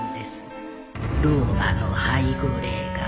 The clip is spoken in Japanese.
老婆の背後霊が。